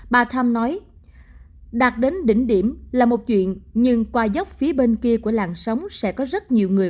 bà tham nói đạt đến đỉnh điểm là một chuyện nhưng qua dốc phía bên kia của làng sống sẽ có rất nhiều người